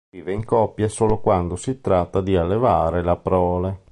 Vive in coppia solo quando si tratta di allevare la prole.